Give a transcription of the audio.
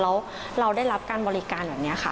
แล้วเราได้รับการบริการแบบนี้ค่ะ